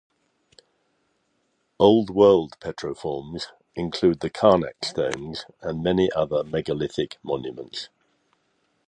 Old World petroforms include the Carnac stones and many other megalithic monuments.